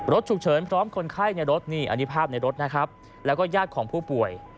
รถฉุกเฉินพร้อมคนไข้ในรถนี่อันนี้ภาพในรถนะครับแล้วก็ญาติของผู้ป่วย